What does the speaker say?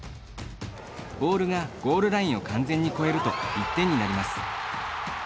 ボールがゴールラインを完全に越えると１点になります。